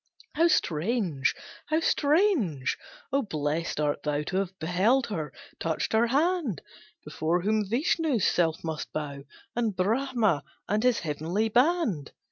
"How strange! how strange! Oh blest art thou To have beheld her, touched her hand, Before whom Vishnu's self must bow, And Brahma and his heavenly band!